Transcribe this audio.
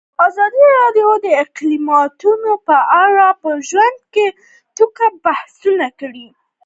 ازادي راډیو د اقلیتونه په اړه په ژوره توګه بحثونه کړي.